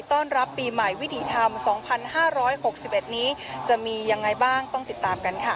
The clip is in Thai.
ต้อนรับปีใหม่วิถีธรรม๒๕๖๑นี้จะมียังไงบ้างต้องติดตามกันค่ะ